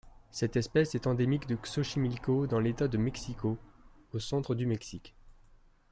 Cette espèce est endémique de Xochimilco dans l'État de Mexico au centre du Mexique.